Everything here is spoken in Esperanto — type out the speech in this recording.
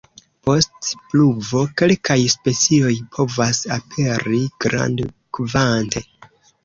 Post pluvo kelkaj specioj povas aperi grandkvante.